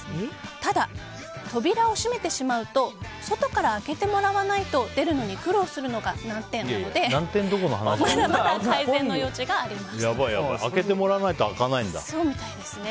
ただ、扉を閉めてしまうと外から開けてもらわないと出るのに苦労するのが難点なのでまだまだ改善の余地があります。